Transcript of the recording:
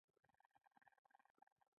د دې ورځې په ماښام ارماني عکسونه راوړل.